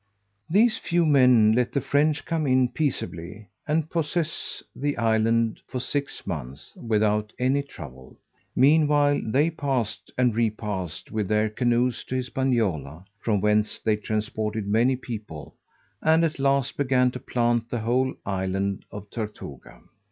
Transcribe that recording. These few men let the French come in peaceably, and possess the island for six months, without any trouble; meanwhile they passed and repassed, with their canoes, to Hispaniola, from whence they transported many people, and at last began to plant the whole island of Tortuga.